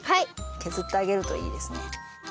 けずってあげるといいですね。